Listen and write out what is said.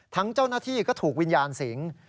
เจ้าหน้าที่ก็ถูกวิญญาณสิง